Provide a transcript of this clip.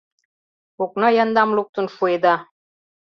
— Окна яндам луктын шуэда.